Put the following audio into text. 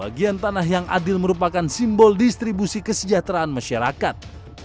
bagian tanah yang adil merupakan simbol distribusi kesejahteraan masyarakat